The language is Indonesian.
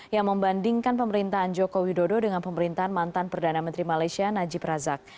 yang membandingkan pemerintahan joko widodo dengan pemerintahan mantan perdana menteri malaysia najib razak